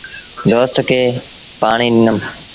دوست کي پآڻي ڏنم۔